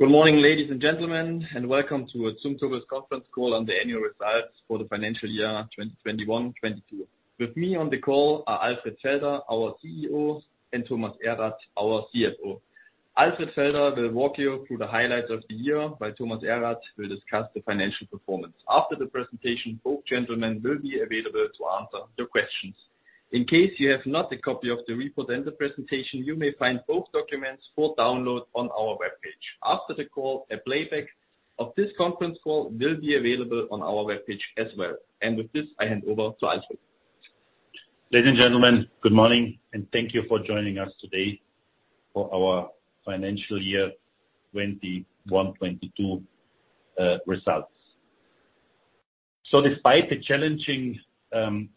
Good morning, ladies and gentlemen, and welcome to our Zumtobel conference call on the annual results for the financial year 2021/2022. With me on the call are Alfred Felder, our CEO, and Thomas Erath, our CFO. Alfred Felder will walk you through the highlights of the year, while Thomas Erath will discuss the financial performance. After the presentation, both gentlemen will be available to answer the questions. In case you do not have a copy of the report and the presentation, you may find both documents for download on our webpage. After the call, a playback of this conference call will be available on our webpage as well. With this, I hand over to Alfred. Ladies and gentlemen, good morning, and thank you for joining us today for our financial year 2021/2022 results. Despite the challenging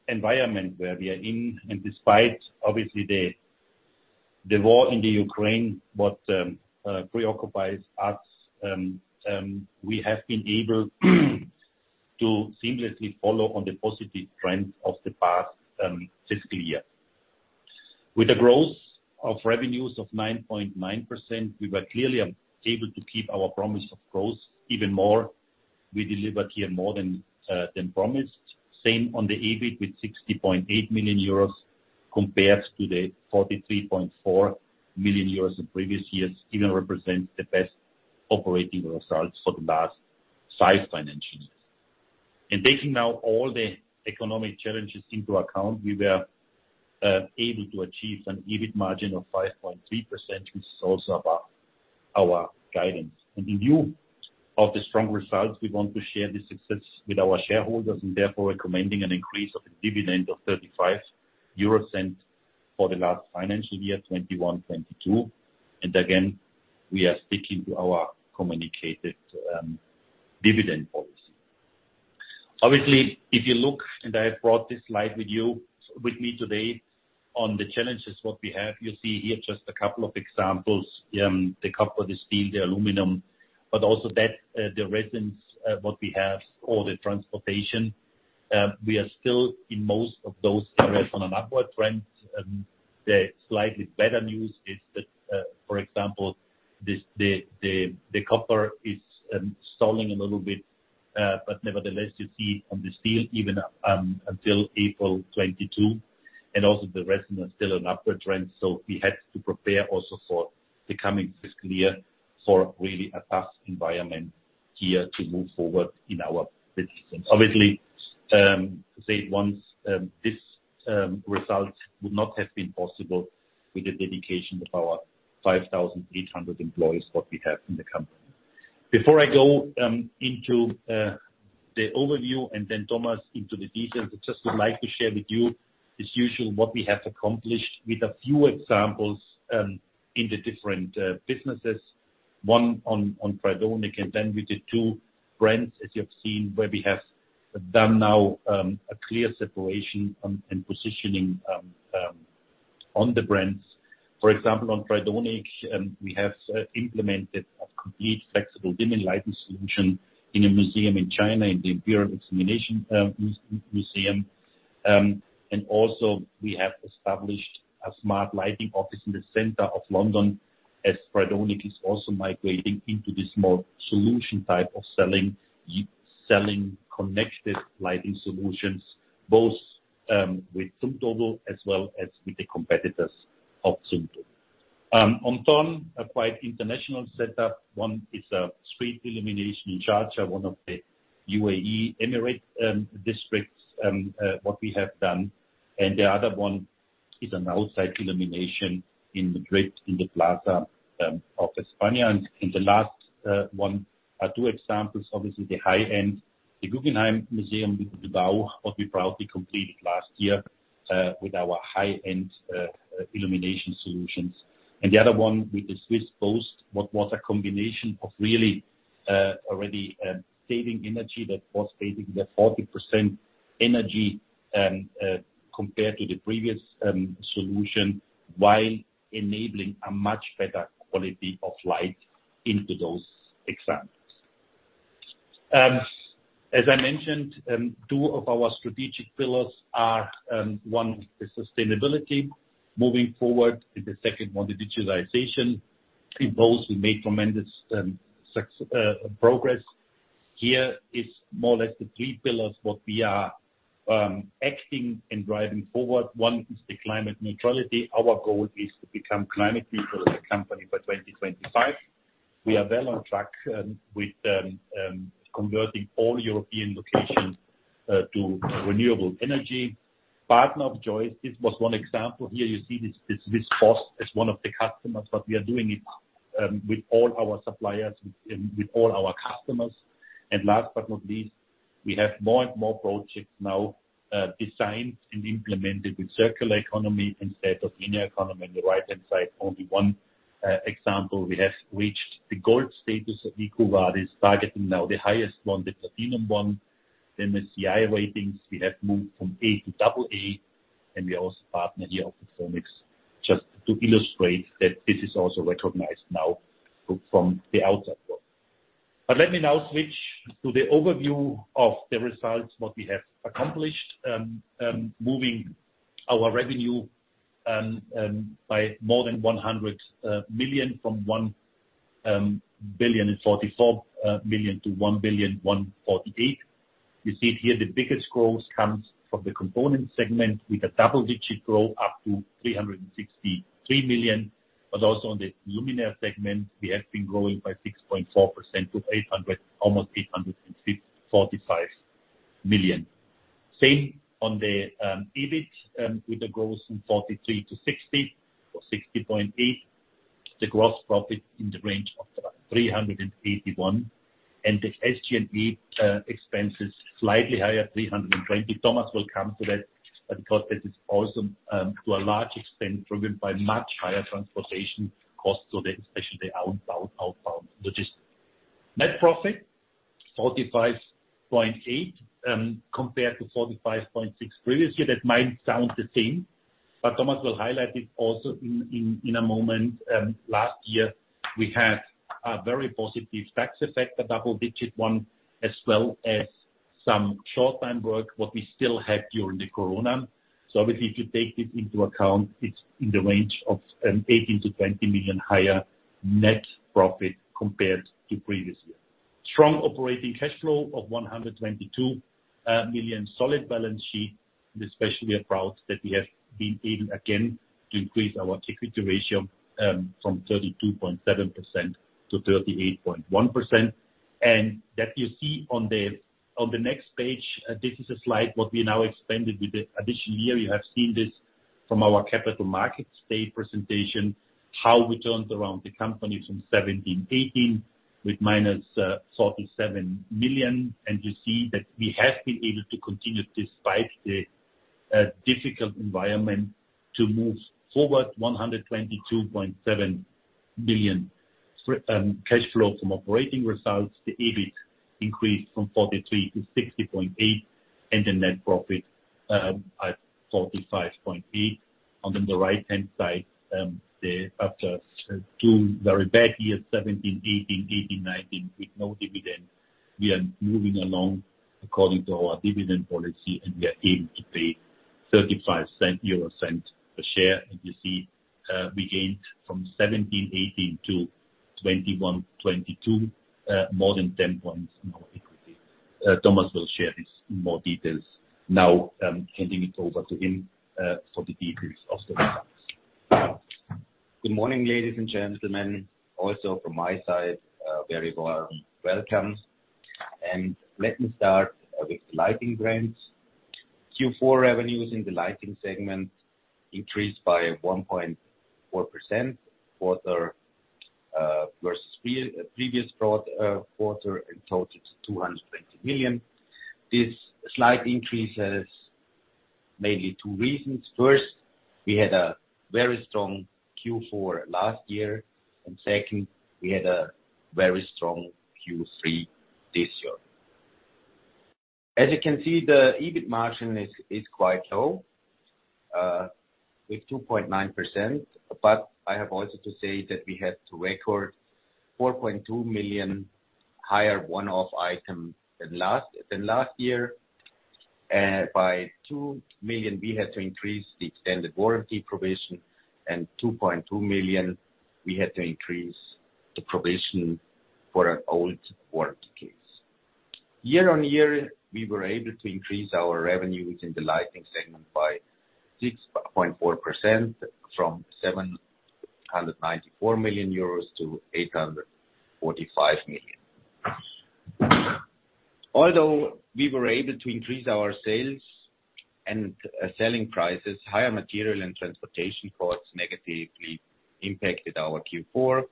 environment where we are in, and despite obviously the war in Ukraine, which preoccupies us, we have been able to seamlessly follow on the positive trends of the past fiscal year. With a growth of revenues of 9.9%, we were clearly able to keep our promise of growth even more. We delivered here more than promised. Same on the EBIT with 60.8 million euros compared to the 43.4 million euros the previous year even represents the best operating results for the last five financial years. Taking now all the economic challenges into account, we were able to achieve an EBIT margin of 5.3%, which is also above our guidance. In view of the strong results, we want to share the success with our shareholders and therefore recommending an increase of the dividend of 0.35 for the last financial year 2021/2022. Again, we are sticking to our communicated dividend policy. Obviously, if you look, I have brought this slide with me today on the challenges, what we have. You see here just a couple of examples, the copper, the steel, the aluminum, but also that, the resins, what we have, or the transportation. We are still in most of those areas on an upward trend. The slightly better news is that, for example, the copper is stalling a little bit, but nevertheless, you see on the steel even until April 2022, and also the resin are still an upward trend. We had to prepare also for the coming fiscal year for really a tough environment here to move forward in our business sense. Obviously, to say it once, this result would not have been possible with the dedication of our 5,800 employees, what we have in the company. Before I go into the overview and then Thomas into the details, I just would like to share with you, as usual, what we have accomplished with a few examples in the different businesses, one on Tridonic, and then with the two brands, as you have seen, where we have done now a clear separation on and positioning on the brands. For example, on Tridonic, we have implemented a complete flexible dimming lighting solution in a museum in China, in the Imperial Examination Museum. Also we have established a smart lighting office in the center of London as Tridonic is also migrating into the smart solution type of selling connected lighting solutions, both with Zumtobel as well as with the competitors of Zumtobel. On Thorn, a quite international setup. One is a street illumination in Sharjah, one of the UAE emirates, districts, what we have done. The other one is an outside illumination in Madrid, in the Plaza de España. In the last one are two examples, obviously the high-end, the Guggenheim Museum in Bilbao, what we proudly completed last year, with our high-end illumination solutions. The other one with the Swiss Post, what was a combination of really already saving energy that was saving the 40% energy, compared to the previous solution, while enabling a much better quality of light into those examples. As I mentioned, two of our strategic pillars are, one, the sustainability. Moving forward is the second one, the digitalization. In both, we made tremendous progress. Here is more or less the three pillars, what we are acting and driving forward. One is the climate neutrality. Our goal is to become climate neutral as a company by 2025. We are well on track with converting all European locations to renewable energy. Partner of choice. This was one example. Here you see this post as one of the customers, but we are doing it with all our suppliers and with all our customers. Last but not least, we have more and more projects now designed and implemented with circular economy instead of linear economy on the right-hand side. Only one example. We have reached the gold status of EcoVadis, targeting now the highest one, the platinum one. The MSCI ratings, we have moved from A to AA. We also partner here with [Formics] just to illustrate that this is also recognized now from the outside world. Let me now switch to the overview of the results, what we have accomplished, moving our revenue by more than 100 million from 1.044 billion-1.148 billion. You see it here, the biggest growth comes from the component segment with a double-digit growth up to 363 million. Also in the luminaire segment, we have been growing by 6.4% to almost 865 million. Same on the EBIT, with the growth from 43 million-60.8 million. The gross profit in the range of about 381 million, and the SG&A expenses slightly higher, 320 million. Thomas will come to that because that is also to a large extent driven by much higher transportation costs, so especially the outbound logistics. Net profit, 45.8 million, compared to 45.6 million previously. That might sound the same, but Thomas will highlight it also in a moment. Last year we had a very positive tax effect, a double-digit one, as well as some short-term work what we still had during the Corona. Obviously, if you take this into account, it's in the range of 18 million-20 million higher net profit compared to previous year. Strong operating cash flow of 122 million, solid balance sheet, and especially we are proud that we have been able again to increase our equity ratio from 32.7%-38.1%. That you see on the next page, this is a slide what we now expanded with the additional year. You have seen this from our Capital Markets Day presentation, how we turned around the company from 2017/2018 with -47 million. You see that we have been able to continue, despite the difficult environment, to move forward 122.7 million cash flow from operating results. The EBIT increased from 43 million-60.8 million, and the net profit at 45.8 million. On the right-hand side, thereafter two very bad years, 2017/2018, 2018/2019, with no dividend. We are moving along according to our dividend policy, and we are able to pay 0.35 per share. You see, we gained from 2017/2018 to 2021/2022, more than 10 points in our equity. Thomas will share this in more details. Now, handing it over to him, for the details of the results. Good morning, ladies and gentlemen. Also from my side, very warm welcome. Let me start with the lighting brands. Q4 revenues in the Lighting segment increased by 1.4% quarter-over-quarter versus previous quarter, and totaled 220 million. This slight increase has mainly two reasons. First, we had a very strong Q4 last year, and second, we had a very strong Q3 this year. As you can see, the EBIT margin is quite low with 2.9%. But I have also to say that we had to record 4.2 million higher one-off item than last year. By 2 million, we had to increase the extended warranty provision and 2.2 million we had to increase the provision for an old warranty case. Year-on-year, we were able to increase our revenues in the Lighting segment by 6.4% from 794 million-845 million euros. Although we were able to increase our sales and selling prices, higher material and transportation costs negatively impacted our Q4.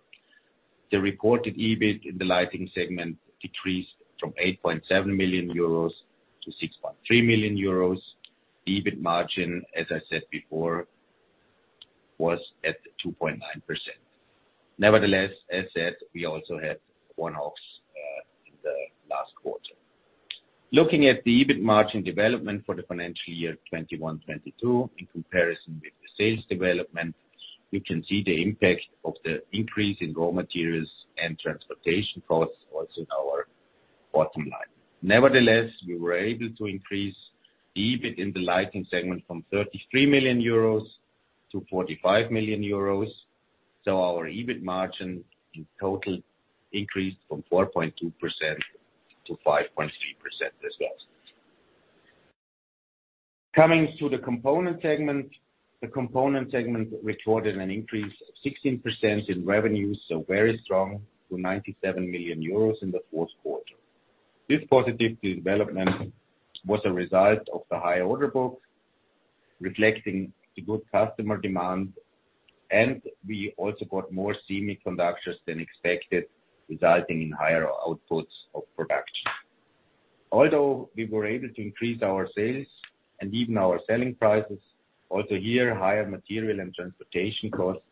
The reported EBIT in the Lighting segment decreased from 8.7 million-6.3 million euros. EBIT margin, as I said before, was at 2.9%. Nevertheless, as said, we also had one-offs in the last quarter. Looking at the EBIT margin development for the financial year 2021/2022, in comparison with the sales development, we can see the impact of the increase in raw materials and transportation costs also in our bottom line. Nevertheless, we were able to increase the EBIT in the Lighting segment from 33 million-45 million euros. Our EBIT margin in total increased from 4.2%-5.3% this last year. Coming to the Components segment. The Components segment recorded an increase of 16% in revenues, so very strong to 97 million euros in the fourth quarter. This positive development was a result of the high order books reflecting the good customer demand, and we also got more semiconductors than expected, resulting in higher outputs of production. Although we were able to increase our sales and even our selling prices, also here, higher material and transportation costs,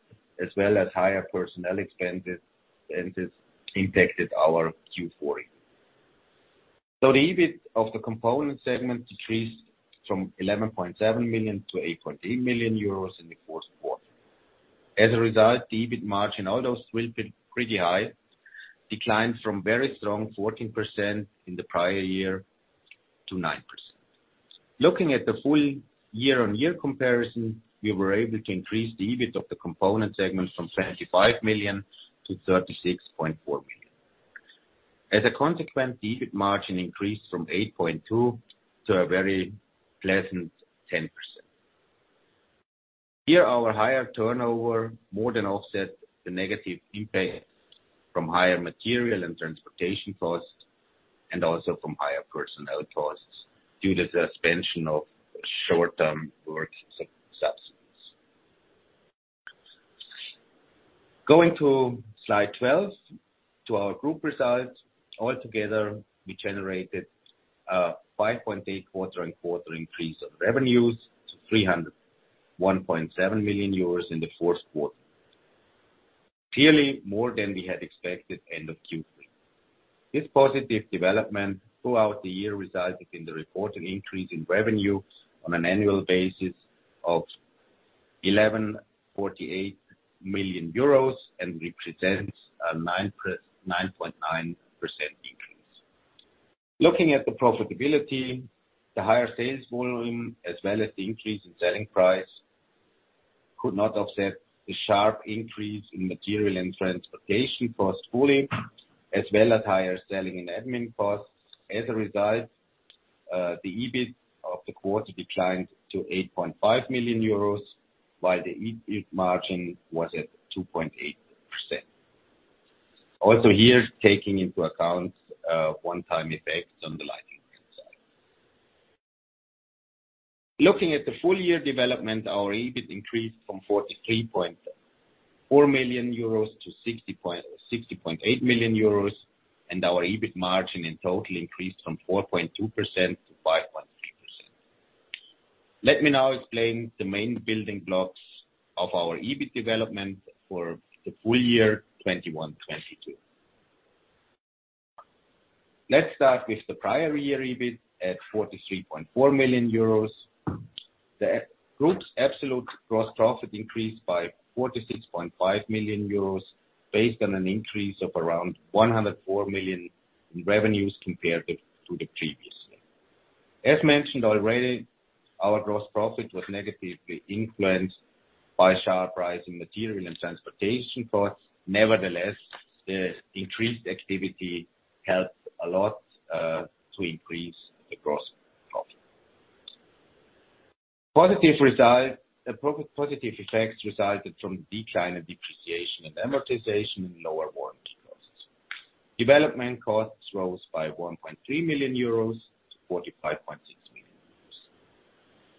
as well as higher personnel expenses impacted our Q4 EBIT. The EBIT of the Components segment decreased from 11.7 million-8.8 million euros in the fourth quarter. As a result, the EBIT margin, although still pretty high, declined from very strong 14% in the prior year to 9%. Looking at the full year-on-year comparison, we were able to increase the EBIT of the Components segment from 25 million-36.4 million. As a consequence, the EBIT margin increased from 8.2% to a very pleasant 10%. Here, our higher turnover more than offset the negative impact from higher material and transportation costs, and also from higher personnel costs due to suspension of short-term work subsidies. Going to slide 12, to our group results. Altogether, we generated a 5.8 quarter-over-quarter increase of revenues to 301.7 million euros in the fourth quarter. Clearly more than we had expected end of Q3. This positive development throughout the year resulted in the reported increase in revenue on an annual basis of 1,148 million euros and represents a 9.9% increase. Looking at the profitability, the higher sales volume as well as the increase in selling price could not offset the sharp increase in material and transportation costs fully, as well as higher selling and admin costs. As a result, the EBIT of the quarter declined to 8.5 million euros, while the EBIT margin was at 2.8%. Also here, taking into account one-time effects on the lighting side. Looking at the full year development, our EBIT increased from 43.4 million-60.8 million euros, and our EBIT margin in total increased from 4.2%-5.3%. Let me now explain the main building blocks of our EBIT development for the full year 2021/2022. Let's start with the prior year EBIT at 43.4 million euros. The group's absolute gross profit increased by 46.5 million euros based on an increase of around 104 million in revenues compared to the previous year. As mentioned already, our gross profit was negatively influenced by sharp rise in material and transportation costs. Nevertheless, the increased activity helped a lot to increase the gross profit. Positive effects resulted from the decline in depreciation and amortization and lower warranty costs. Development costs rose by 1.3 million-45.6 million euros.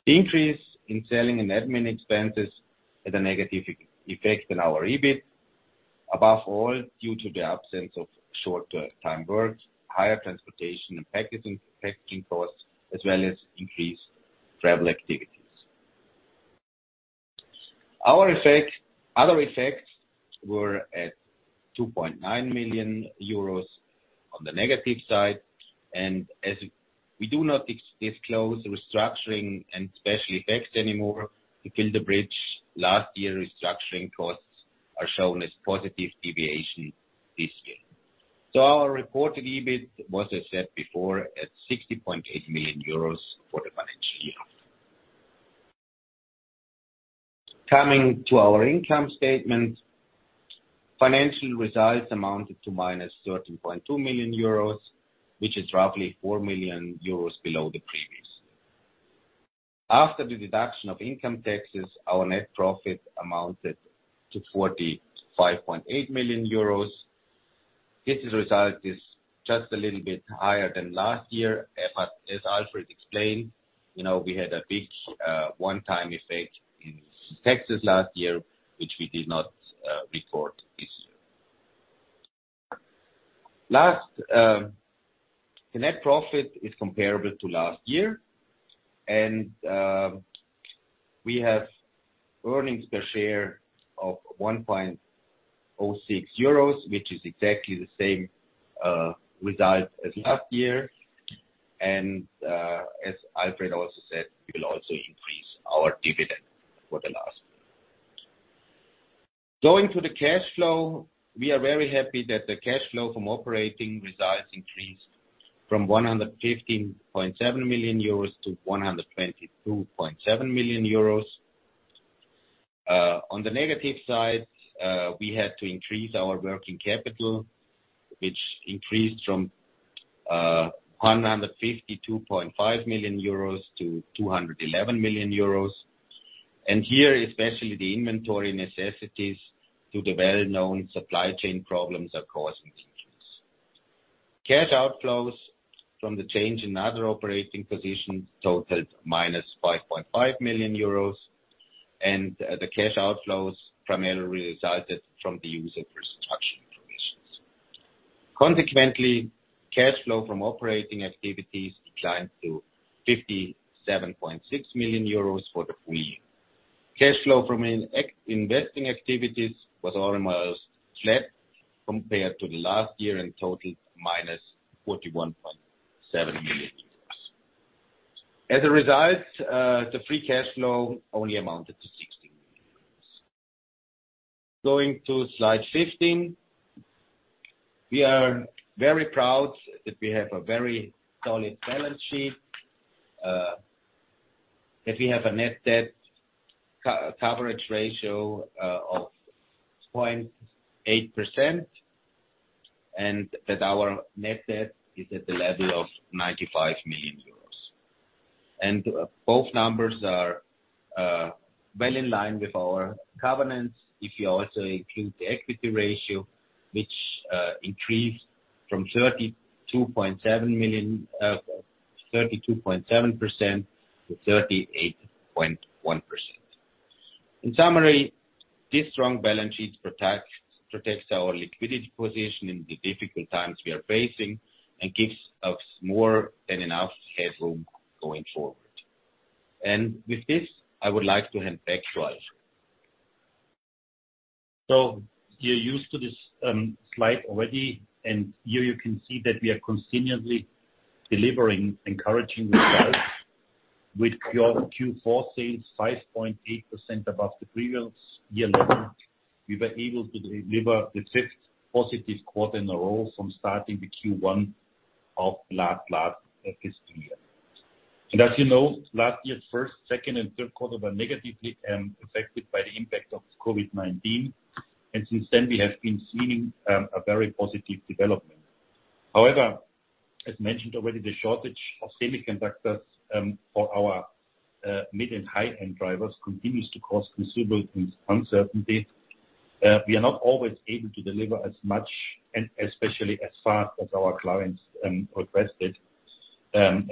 The increase in selling and admin expenses had a negative effect on our EBIT, above all, due to the absence of short-term time work, higher transportation and packaging costs, as well as increased travel activities. Other effects were at 2.9 million euros on the negative side, and as we do not disclose restructuring and special effects anymore, to fill the bridge, last year restructuring costs are shown as positive deviation this year. Our reported EBIT was, as said before, at 60.8 million euros for the financial year. Coming to our income statement, financial results amounted to -13.2 million euros, which is roughly 4 million euros below the previous year. After the deduction of income taxes, our net profit amounted to 45.8 million euros. This result is just a little bit higher than last year. As Alfred explained, you know, we had a big one-time effect in taxes last year, which we did not record this year. The net profit is comparable to last year, and we have earnings per share of 1.06 euros, which is exactly the same result as last year. As Alfred also said, we will also increase our dividend for the last. Going to the cash flow, we are very happy that the cash flow from operating results increased from 115.7 million-122.7 million euros. On the negative side, we had to increase our working capital, which increased from 152.5 million euros to 211 million euros. Here, especially the inventory increases due to the well-known supply chain problems are causing increases. Cash outflows from the change in other operating positions totaled -5.5 million euros, and the cash outflows primarily resulted from the use of restructuring provisions. Consequently, cash flow from operating activities declined to 57.6 million euros for the full year. Cash flow from investing activities was almost flat compared to last year, and totaled -41.7 million. As a result, the free cash flow only amounted to [60 million euros] Going to slide 15. We are very proud that we have a very solid balance sheet, that we have a net debt coverage ratio of 0.8%, and that our net debt is at the level of 95 million euros. Both numbers are well in line with our covenants, if you also include the equity ratio, which increased from 32.7%-38.1%. In summary, this strong balance sheet protects our liquidity position in the difficult times we are facing and gives us more than enough headroom going forward. With this, I would like to hand back to Alfred. You're used to this slide already, and here you can see that we are continuously delivering encouraging results with our Q4 sales 5.8% above the previous year level. We were able to deliver the fifth positive quarter in a row from starting the Q1 of last fiscal year. As you know, last year's first, second and third quarter were negatively affected by the impact of COVID-19. Since then, we have been seeing a very positive development. However, as mentioned already, the shortage of semiconductors for our mid and high-end drivers continues to cause considerable uncertainty. We are not always able to deliver as much, and especially as fast as our clients requested. Therefore,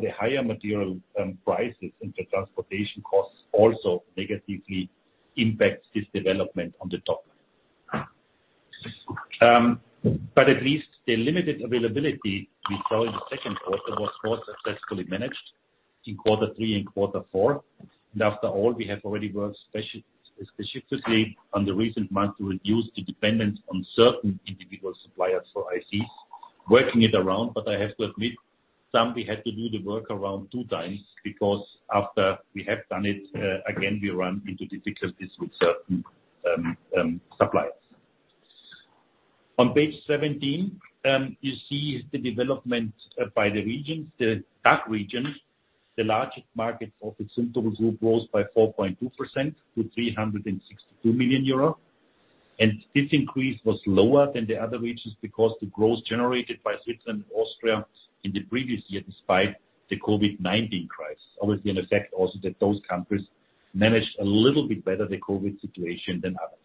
the higher material prices and the transportation costs also negatively impact this development on the top. At least the limited availability we saw in the second quarter was more successfully managed in quarter three and quarter four. After all, we have already worked specifically on the recent months to reduce the dependence on certain individual suppliers for ICs, working it around. I have to admit, some we had to do the work around two times, because after we have done it, again, we run into difficulties with certain suppliers. On page 17, you see the development by the regions. The DACH region, the largest market for the Zumtobel Group, grows by 4.2% to 362 million euro. This increase was lower than the other regions, because the growth generated by Switzerland and Austria in the previous year, despite the COVID-19 crisis, obviously in effect also that those countries managed a little bit better the COVID situation than others.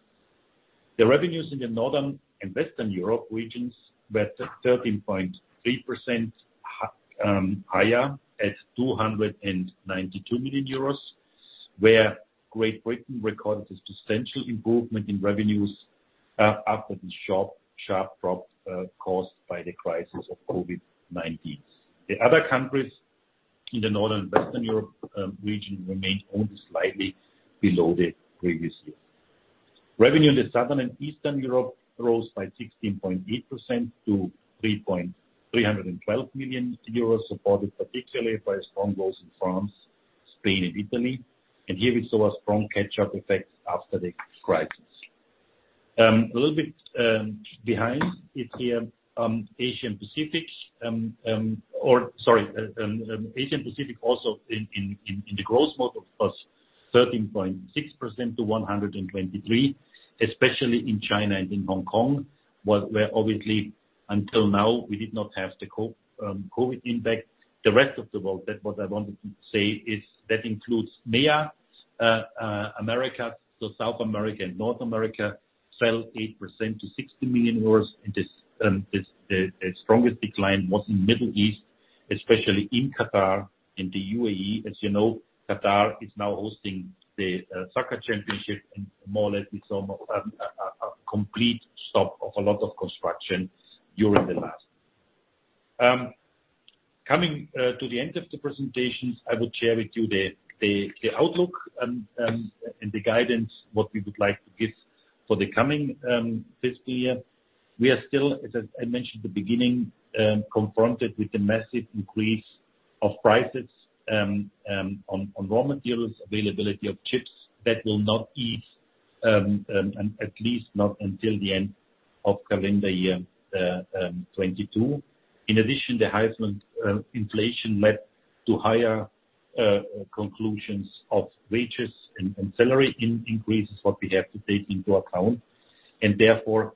The revenues in the Northern and Western Europe regions were 13.3% higher at 292 million euros, where Great Britain recorded a substantial improvement in revenues after the sharp drop caused by the crisis of COVID-19. The other countries in the Northern and Western Europe region remained only slightly below the previous year. Revenue in the Southern and Eastern Europe rose by 16.8% to 312 million euros, supported particularly by strong growth in France, Spain and Italy. Here we saw a strong catch-up effect after the crisis. A little bit behind is the Asia-Pacific. Or sorry, Asia-Pacific also in the growth mode of +13.6% to 123 million, especially in China and in Hong Kong, where obviously until now, we did not have the COVID impact. The rest of the world, that's what I wanted to say is that includes MEA, America. So South America and North America fell 8% to 60 million euros. This, the strongest decline was in Middle East, especially in Qatar, in the UAE. As you know, Qatar is now hosting the soccer championship and more or less we saw a complete stop of a lot of construction during the last. Coming to the end of the presentations, I will share with you the outlook and the guidance, what we would like to give for the coming fiscal year. We are still, as I mentioned at the beginning, confronted with the massive increase of prices on raw materials, availability of chips that will not ease, at least not until the end of calendar year 2022. In addition, the high inflation led to higher increases in wages and salary increases, what we have to take into account. Therefore,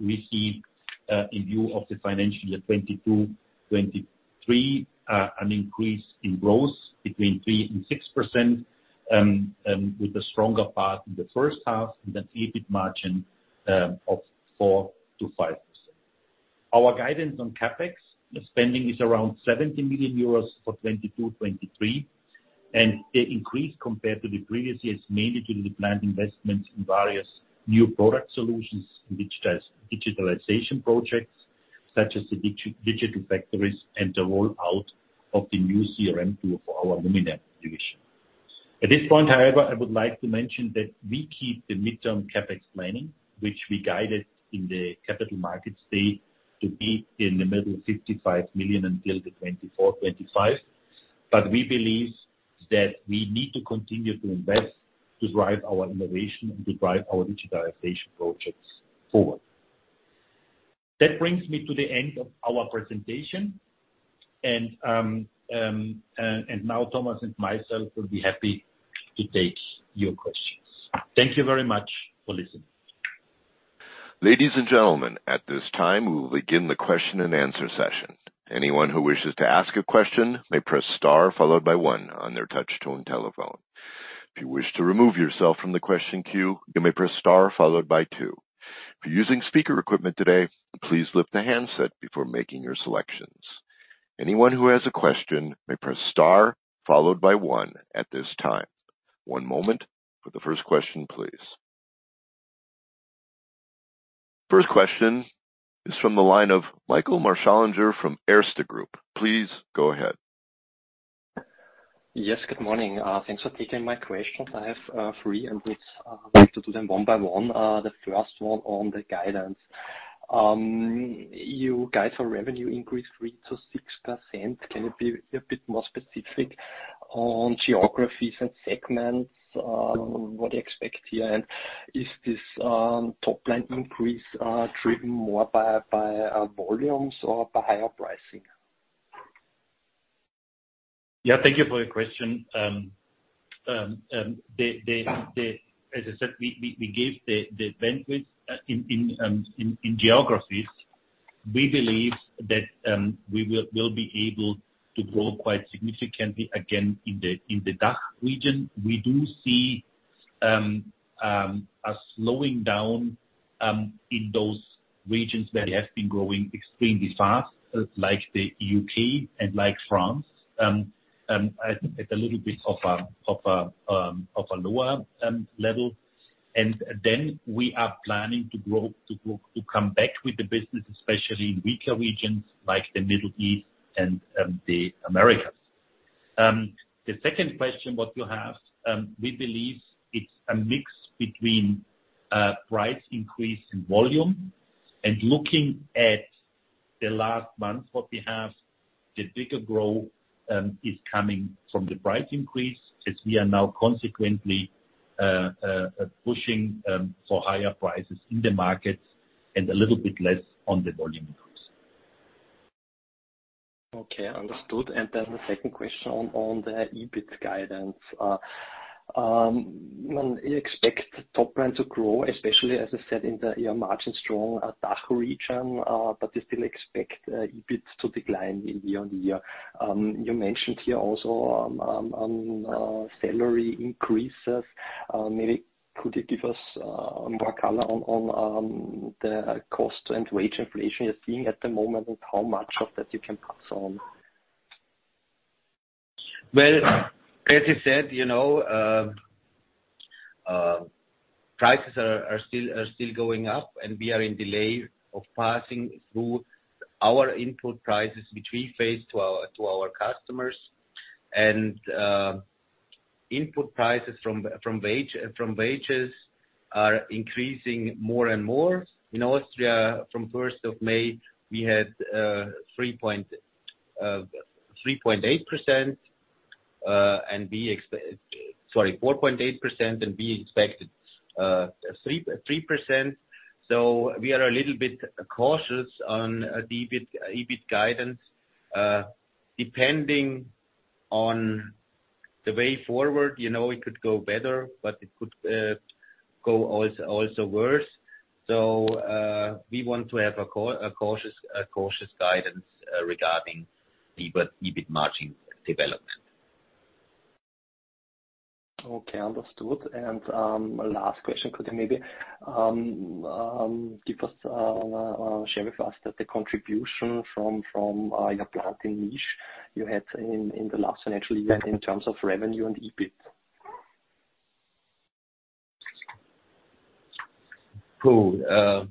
we see in view of the financial year 2022/2023 an increase in growth between 3% and 6%, with a stronger part in the first half and an EBIT margin of 4%-5%. Our guidance on CapEx spending is around 70 million euros for 2022/2023, and it increased compared to the previous years, mainly due to the planned investments in various new product solutions, which has digitalization projects. Such as the digital factories and the roll out of the new CRM tool for our luminaire division. At this point, however, I would like to mention that we keep the mid-term CapEx planning, which we guided in the Capital Markets Day to be in the middle of 55 million until 2024/2025. We believe that we need to continue to invest to drive our innovation and to drive our digitalization projects forward. That brings me to the end of our presentation, and now Thomas and myself will be happy to take your questions. Thank you very much for listening. Ladies and gentlemen, at this time, we will begin the question-and-answer session. Anyone who wishes to ask a question may press star followed by one on their touch-tone telephone. If you wish to remove yourself from the question queue, you may press star followed by two. If you're using speaker equipment today, please lift the handset before making your selections. Anyone who has a question may press star followed by one at this time. One moment for the first question, please. First question is from the line of Michael Marschallinger from Erste Group. Please go ahead. Yes, good morning. Thanks for taking my questions. I have three, and would like to do them one by one. The first one on the guidance. You guide for revenue increase 3%-6%. Can you be a bit more specific on geographies and segments? What do you expect here? Is this top line increase driven more by volumes or by higher pricing? Yeah, thank you for your question. As I said, we gave the bandwidth in geographies. We believe that we will be able to grow quite significantly again in the DACH region. We do see a slowing down in those regions where they have been growing extremely fast, like the U.K. and like France, at a little bit of a lower level. Then we are planning to grow to come back with the business, especially in weaker regions like the Middle East and the Americas. The second question what you have, we believe it's a mix between price increase and volume. Looking at the last month, what we have, the bigger growth is coming from the price increase, as we are now consequently pushing for higher prices in the markets and a little bit less on the volume increase. Okay, understood. The second question on the EBIT guidance. You expect top line to grow, especially as I said, in your margin strong DACH region, but you still expect EBIT to decline year-on-year. You mentioned here also salary increases. Maybe could you give us more color on the cost and wage inflation you're seeing at the moment and how much of that you can pass on? Well, as I said, you know, prices are still going up, and we are delaying passing through our input prices, which we pass to our customers. Input prices from wages are increasing more and more. In Austria, from 1st of May, we had 4.8%, and we expected 3%. We are a little bit cautious on the EBIT guidance. Depending on the way forward, you know, it could go better, but it could go also worse. We want to have a cautious guidance regarding the EBIT margin development. Okay, understood. Last question. Could you maybe share with us the contribution from your plant in Niš you had in the last financial year in terms of revenue and EBIT? Cool.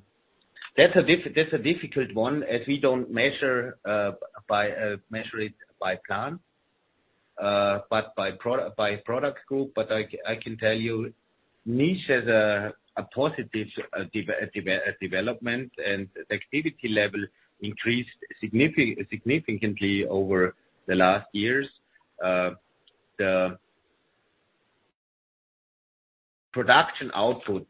That's a difficult one as we don't measure it by plant, but by product group. I can tell you Niš has a positive development, and the activity level increased significantly over the last years. The production output,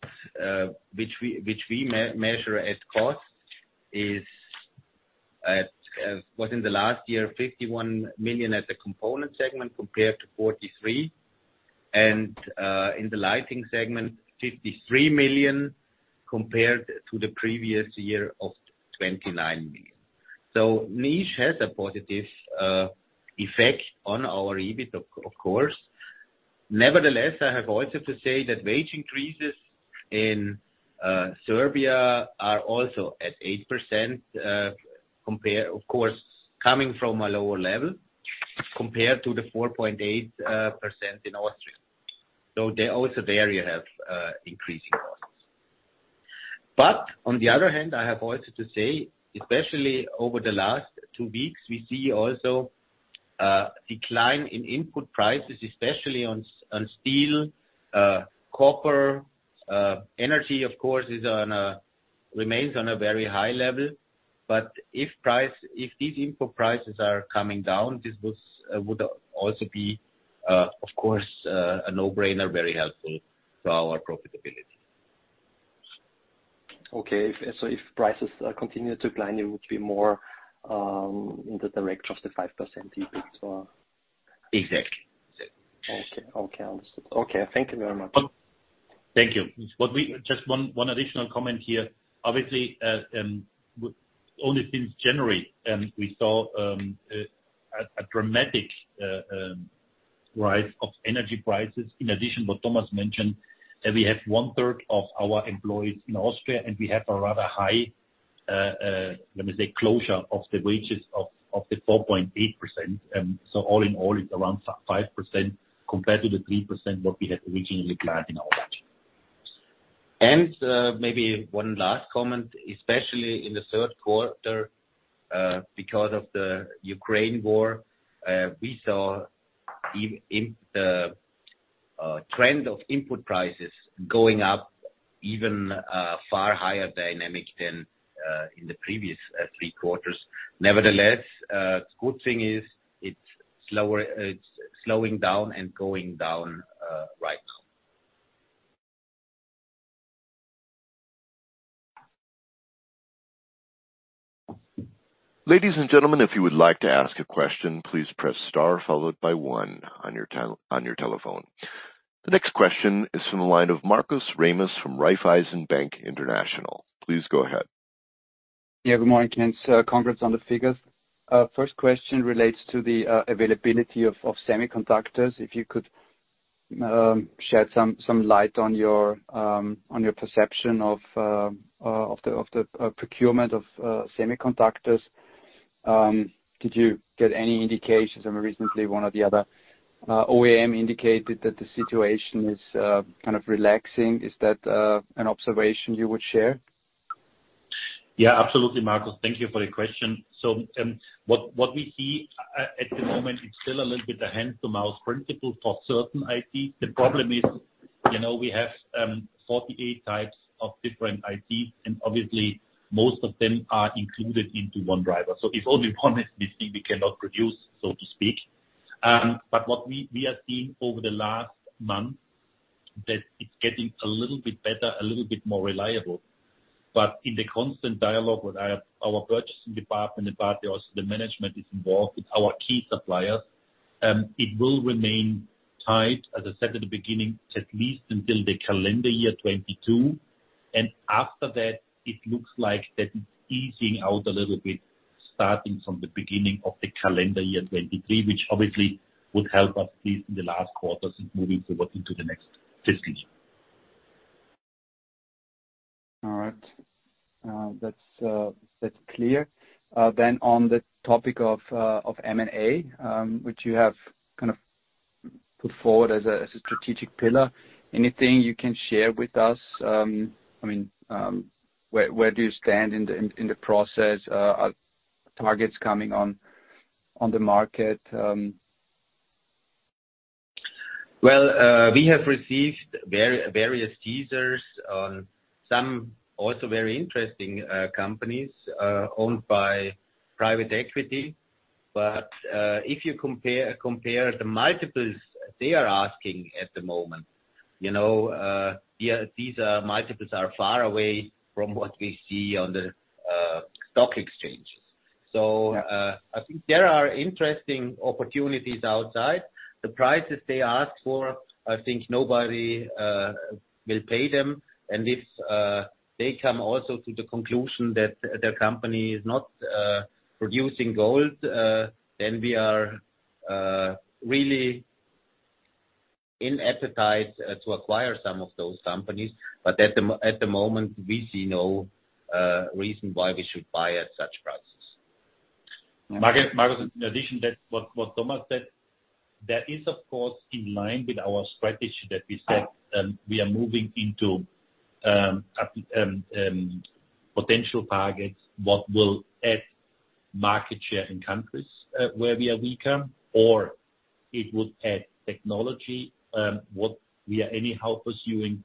which we measure as cost, is at EUR 51 million in the last year at the component segment compared to 43 million. In the Lighting segment, 53 million compared to the previous year of 29 million. Niš has a positive effect on our EBIT, of course. Nevertheless, I have also to say that wage increases in Serbia are also at 8%, compare... Of course, coming from a lower level compared to the 4.8% in Austria. They also there you have increasing costs. On the other hand, I have also to say, especially over the last two weeks, we see also a decline in input prices, especially on steel, copper. Energy, of course, remains on a very high level. If these input prices are coming down, this would also be, of course, a no-brainer, very helpful to our profitability. Okay. If prices continue to decline, it would be more in the direction of the 5% EBIT, or? Exactly. Okay. Understood. Thank you very much. Thank you. Just one additional comment here. Obviously, only since January, we saw a dramatic rise of energy prices. In addition, what Thomas mentioned, that we have 1/3 of our employees in Austria, and we have a rather high, let me say, increase of the wages of 4.8%. So all in all, it's around 5% compared to the 3% what we had originally planned in our budget. Maybe one last comment, especially in the third quarter, because of the Ukraine war, we saw in the trend of input prices going up even far higher dynamic than in the previous three quarters. Nevertheless, good thing is it's slowing down and going down right now. Ladies and gentlemen, if you would like to ask a question, please press star followed by one on your telephone. The next question is from the line of Markus Remis from Raiffeisen Bank International. Please go ahead. Yeah. Good morning, guys. Congrats on the figures. First question relates to the availability of semiconductors. If you could shed some light on your perception of the procurement of semiconductors. Did you get any indications? I mean, recently one or the other OEM indicated that the situation is kind of relaxing. Is that an observation you would share? Yeah, absolutely, Markus. Thank you for the question. What we see at the moment, it's still a little bit the hand-to-mouth principle for certain IC. The problem is, you know, we have 48 types of different IC, and obviously most of them are included into one driver. So if only one is missing, we cannot produce, so to speak. What we are seeing over the last month that it's getting a little bit better, a little bit more reliable. In the constant dialogue with our purchasing department, but also the management is involved with our key suppliers, it will remain tight, as I said at the beginning, at least until the calendar year 2022. After that, it looks like that it's easing out a little bit, starting from the beginning of the calendar year 2023, which obviously would help us at least in the last quarters in moving forward into the next fiscal year. All right. That's clear. On the topic of M&A, which you have kind of put forward as a strategic pillar, anything you can share with us? I mean, where do you stand in the process? Are targets coming on the market? Well, we have received various teasers on some also very interesting companies owned by private equity. But if you compare the multiples they are asking at the moment, you know, yeah, these multiples are far away from what we see on the stock exchange. Yeah. I think there are interesting opportunities outside. The prices they ask for, I think nobody will pay them. If they come also to the conclusion that their company is not producing gold, then we are really in appetite to acquire some of those companies. At the moment, we see no reason why we should buy at such prices. Markus, in addition, that's what Thomas said, that is of course in line with our strategy that we said, we are moving into potential targets, what will add market share in countries, where we are weaker, or it would add technology, what we are anyhow pursuing.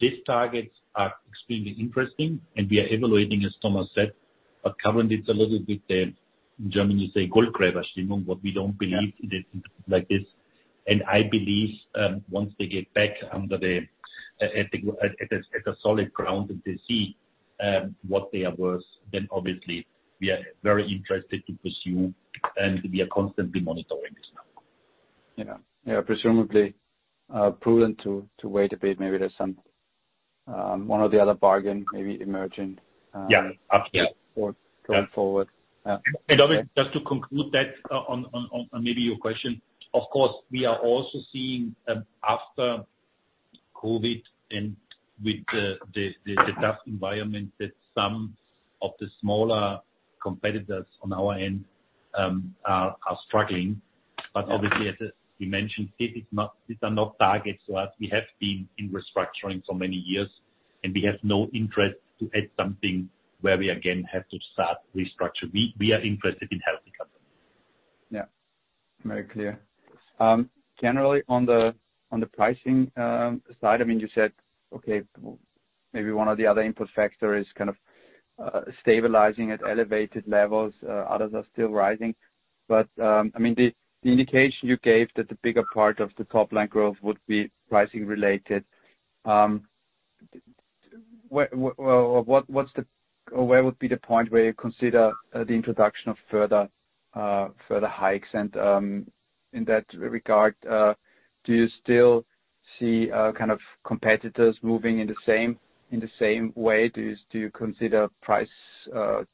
These targets are extremely interesting, and we are evaluating, as Thomas said. Currently it's a little bit, in German you say. Like this. I believe once they get back on a solid ground and they see what they are worth, then obviously we are very interested to pursue, and we are constantly monitoring this now. Yeah. Presumably prudent to wait a bit. Maybe there's some one or the other bargain maybe emerging. Yeah. Absolutely. Going forward. Yeah. Obviously, just to conclude that, on maybe your question, of course, we are also seeing, after COVID and with the tough environment that some of the smaller competitors on our end are struggling. Obviously, as you mentioned, it is not, these are not targets to us. We have been in restructuring so many years, and we have no interest to add something where we again have to start restructure. We are interested in healthy companies. Yeah. Very clear. Generally, on the pricing side, I mean, you said, okay, maybe one of the other input factor is kind of stabilizing at elevated levels, others are still rising. I mean, the indication you gave that the bigger part of the top line growth would be pricing related. Or where would be the point where you consider the introduction of further hikes? In that regard, do you still see kind of competitors moving in the same way? Do you consider price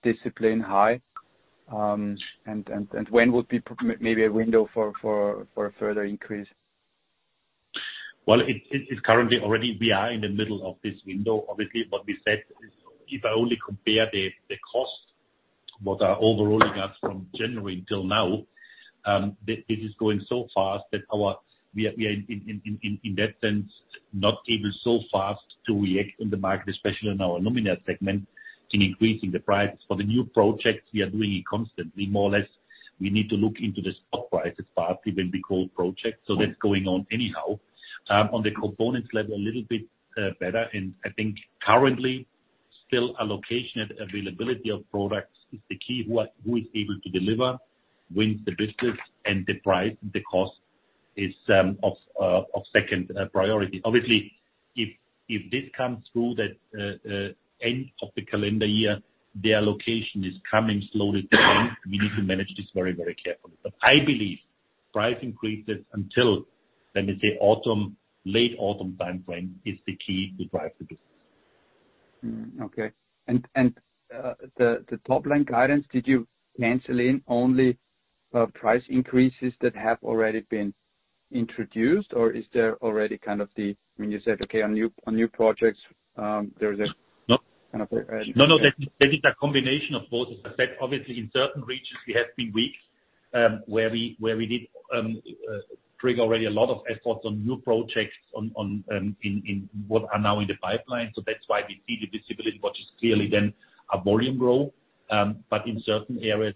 discipline high? When would be maybe a window for a further increase? Well, it's currently already we are in the middle of this window. Obviously, what we said is if I only compare the cost what is overrunning us from January until now, it is going so fast that we are in that sense not able so fast to react in the market, especially in our luminaire segment, in increasing the prices. For the new projects, we are doing it constantly, more or less. We need to look into the spot prices part, even for projects, so that's going on anyhow. On the components level, a little bit better. I think currently still the location and availability of products is the key. Who is able to deliver wins the business and the price, the cost is of second priority. Obviously, if this comes through that end of the calendar year, the allocation is coming slowly through, we need to manage this very, very carefully. I believe price increases until, let me say, autumn, late autumn timeframe is the key to drive the business. The top line guidance, did you include only price increases that have already been introduced? Or is there already kind of the, when you said okay on new projects, there is a. No. Kind of, No, no. That is a combination of both. As I said, obviously, in certain regions we have been weak, where we did trigger already a lot of efforts on new projects on in what are now in the pipeline. That's why we see the visibility, which is clearly then a volume growth. But in certain areas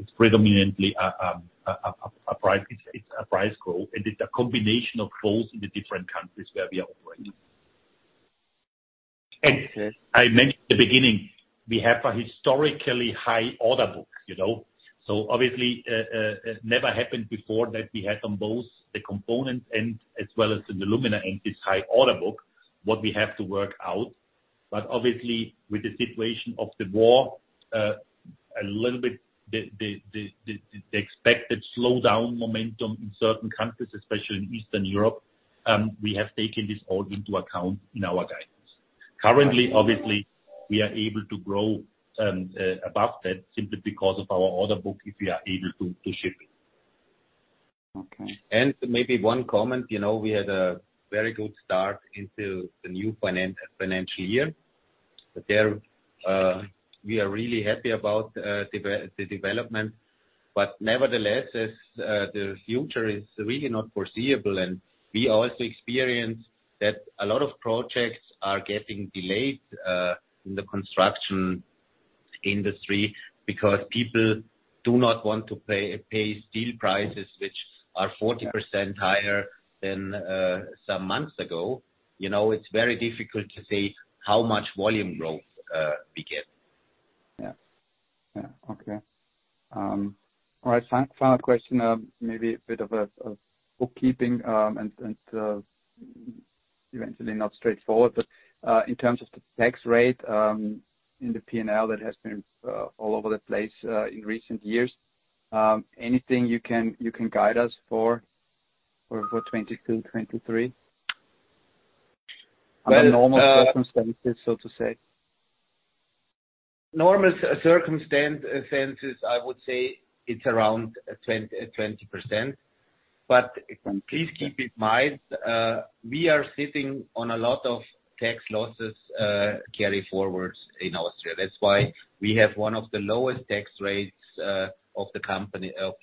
it's predominantly a price growth. It's a combination of both in the different countries where we operate. I mentioned at the beginning, we have a historically high order book, you know. Obviously, it never happened before that we had on both the components and as well as in the luminaire end, this high order book, what we have to work out. Obviously with the situation of the war, a little bit the expected slowdown momentum in certain countries, especially in Eastern Europe, we have taken this all into account in our guidance. Currently, obviously, we are able to grow above that simply because of our order book, if we are able to ship it. Okay. Maybe one comment, you know, we had a very good start into the new financial year. There, we are really happy about the development. Nevertheless, as the future is really not foreseeable, and we also experience that a lot of projects are getting delayed in the construction industry because people do not want to pay steel prices which are 40% higher than some months ago. You know, it's very difficult to say how much volume growth we get. Final question, maybe a bit of a bookkeeping and eventually not straightforward, but in terms of the tax rate in the P&L that has been all over the place in recent years, anything you can guide us for 2022/2023? Well. Under normal circumstances, so to say. normal circumstances, I would say it's around 20%. But please keep in mind, we are sitting on a lot of tax loss carryforwards in Austria. That's why we have one of the lowest tax rates of the companies on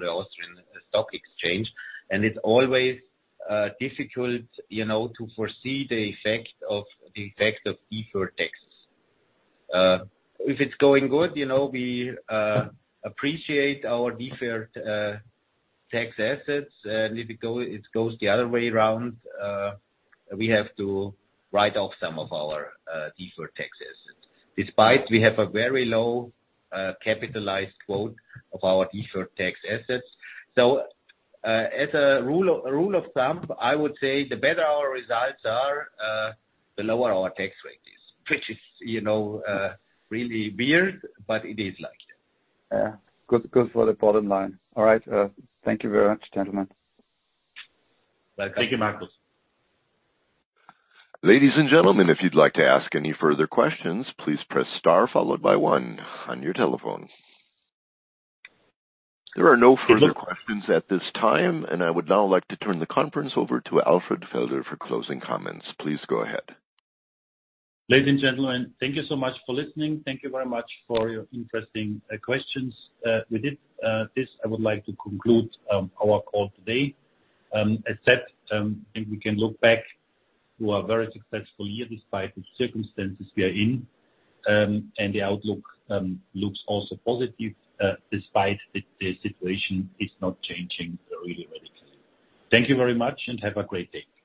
the Vienna Stock Exchange. It's always difficult, you know, to foresee the effect of deferred taxes. If it's going good, you know, we appreciate our deferred tax assets. If it goes the other way around, we have to write off some of our deferred tax assets. Despite we have a very low capitalized quota of our deferred tax assets. As a rule of thumb, I would say the better our results are, the lower our tax rate is. Which is, you know, really weird, but it is like that. Yeah. Good, good for the bottom line. All right. Thank you very much, gentlemen. Thank you, Markus. Ladies and gentlemen, if you'd like to ask any further questions, please press star followed by one on your telephone. There are no further questions at this time, and I would now like to turn the conference over to Alfred Felder for closing comments. Please go ahead. Ladies and gentlemen, thank you so much for listening. Thank you very much for your interesting questions. With this, I would like to conclude our call today. As said, I think we can look back to a very successful year despite the circumstances we are in. The outlook looks also positive despite the situation is not changing really radically. Thank you very much and have a great day.